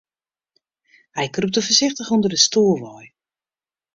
Hy krûpte foarsichtich ûnder de stoel wei.